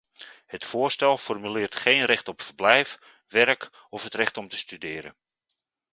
Het voorstel formuleert geen recht op verblijf, werk of het recht om te studeren.